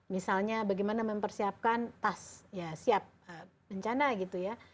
misalnya bagaimana mempersiapkan tas ya siap bencana gitu ya